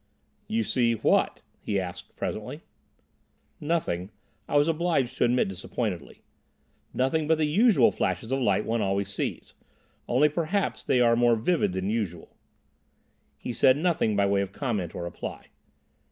"You see—what?" he asked presently. "Nothing," I was obliged to admit disappointedly; "nothing but the usual flashes of light one always sees. Only, perhaps, they are more vivid than usual." He said nothing by way of comment or reply.